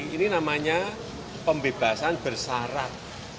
ini namanya pembebasan bersyarat